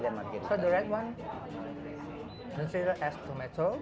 diambil sebagai tomat